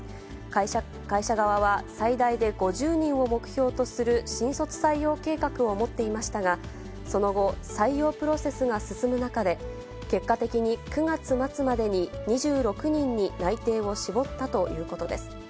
会社側は、最大で５０人を目標とする新卒採用計画を持っていましたが、その後、採用プロセスが進む中で、結果的に９月末までに２６人に内定を絞ったということです。